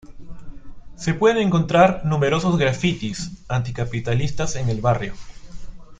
Se pueden encontrar numerosos grafitis anticapitalistas en el barrio.